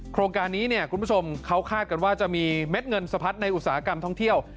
โครงการนี้เนี่ยคุณผู้ชมเขาคาดกันว่าจะมีเม็ดเงินสะพัดในอุตสาหกรรมท่องเที่ยว